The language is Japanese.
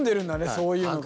そういうのが。